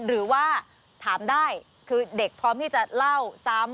หรือว่าถามได้คือเด็กพร้อมที่จะเล่าซ้ำ